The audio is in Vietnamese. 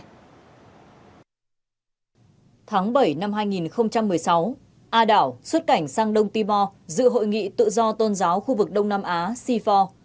tháng bảy năm hai nghìn một mươi sáu a đảo xuất cảnh sang đông tibo dự hội nghị tự do tôn giáo khu vực đông nam á cfor